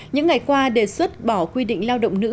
những ngày qua đề xuất bỏ quy định lao động nữ